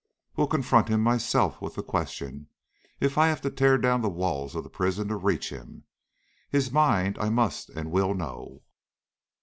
"Will confront him myself with the question, if I have to tear down the walls of the prison to reach him. His mind I must and will know."